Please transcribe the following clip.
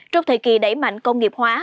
trong thời kỳ đẩy mạnh công nghiệp hóa